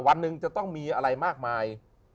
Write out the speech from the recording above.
วันหนึ่งจะต้องมีอะไรมากมาย